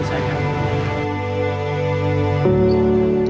kisah kisah yang terjadi di jakarta